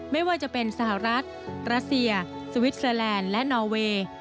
ไม่ว่าจะเป็นสหรัฐรัสเซียสวิสเตอร์แลนด์และนอเวย์